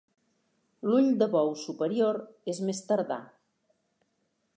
L'ull de bou superior és més tardà.